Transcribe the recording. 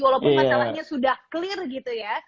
walaupun masalahnya sudah clear gitu ya